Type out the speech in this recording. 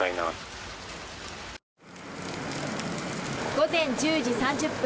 午前１０時３０分